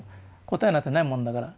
答えなんてないもんだから。